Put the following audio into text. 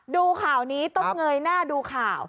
ดูข่าวนี้ต้องเงยหน้าดูข่าว